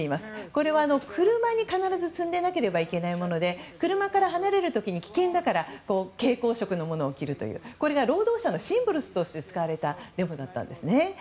これは車に必ず積んでなければいけないもので車から離れる時に危険だから蛍光色のものを着るというこれが労働者のシンボルとして使われたデモだったんです。